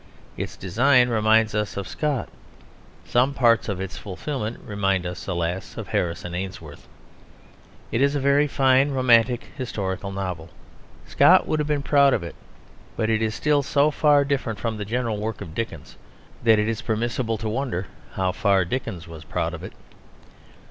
Its design reminds us of Scott; some parts of its fulfilment remind us, alas! of Harrison Ainsworth. It is a very fine romantic historical novel; Scott would have been proud of it. But it is still so far different from the general work of Dickens that it is permissible to wonder how far Dickens was proud of it.